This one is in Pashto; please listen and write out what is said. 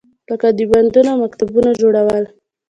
لکه د بندونو او مکتبونو جوړول.